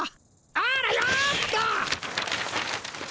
あらよっと！